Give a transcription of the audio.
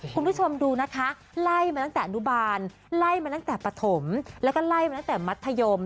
คุณผู้ชมดูนะคะไล่มาตั้งแต่อนุบาลไล่มาตั้งแต่ปฐมแล้วก็ไล่มาตั้งแต่มัธยม